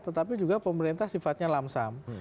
tetapi juga pemerintah sifatnya lamsam